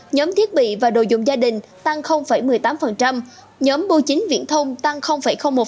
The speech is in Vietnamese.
nhóm thiết bị và đồ dùng gia đình tăng một mươi tám nhóm bưu chính viễn thông tăng một